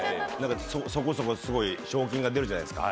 そこそこすごい賞金が出るじゃないですか。